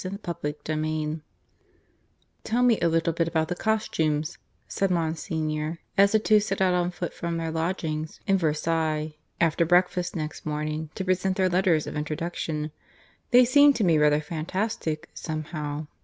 CHAPTER IV (I) "Tell me a little about the costumes," said Monsignor, as the two set out on foot from their lodgings in Versailles after breakfast next morning, to present their letters of introduction. "They seem to me rather fantastic, somehow."